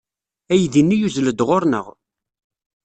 Aydi-nni yuzzel-d ɣer-neɣ.